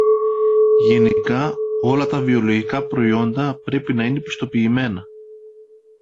Γενικά, όλα τα βιολογικά προϊόντα πρέπει να είναι πιστοποιημένα